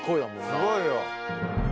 すごいよ。